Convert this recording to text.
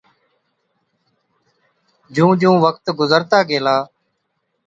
جُون جُون وقت گُذرتا گيلا،